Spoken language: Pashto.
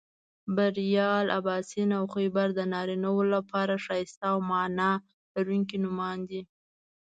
بریال، اباسین او خیبر د نارینهٔ و لپاره ښایسته او معنا لرونکي نومونه دي